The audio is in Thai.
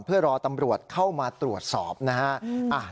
เพื่อรอตำรวจเข้ามาตรวจสอบนะฮะ